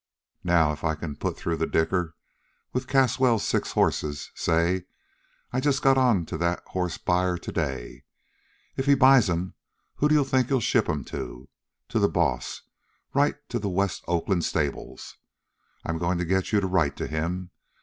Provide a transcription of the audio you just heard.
Now, if I can put through that dicker with Caswell's six horses say, I just got onto that horse buyer to day. If he buys 'em, who d'ye think he'll ship 'em to? To the Boss, right to the West Oakland stables. I 'm goin' to get you to write to him.